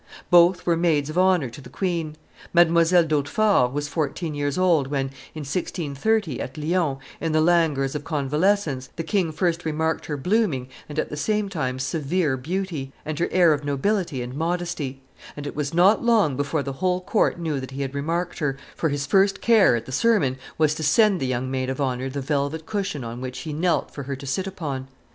Both were maids of honor to the queen. Mdlle. d'Hautefort was fourteen years old when, in 1630, at Lyons, in the languors of convalescence, the king first remarked her blooming and at the same time severe beauty, and her air of nobility and modesty; and it was not long before the whole court knew that he had remarked her, for his first care, at the sermon, was to send the young maid of honor the velvet cushion on which he knelt for her to sit upon.